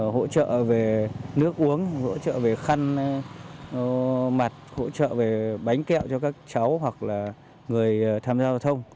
hỗ trợ về nước uống hỗ trợ về khăn mặt hỗ trợ về bánh kẹo cho các cháu hoặc là người tham gia giao thông